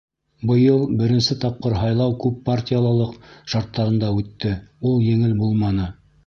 — Быйыл беренсе тапҡыр һайлау күп партиялыҡ шарттарында үтте, ул еңел булманы.